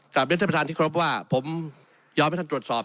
เรียนท่านประธานที่ครบว่าผมยอมให้ท่านตรวจสอบ